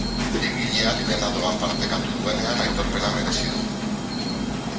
Egileak dena doan partekatu duenean aitorpena merezi du.